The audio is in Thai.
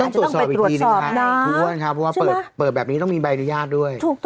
ต้องไปตรวจสอบอีกทีหนึ่งคือว่าเปิดแบบนี้ต้องมีบายละยาศด้วย